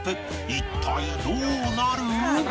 一体どうなる？